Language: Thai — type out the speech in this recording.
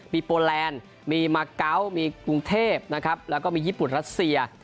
มีโปแลนด์มีมาเกาะมีกรุงเทพนะครับแล้วก็มีญี่ปุ่นรัสเซีย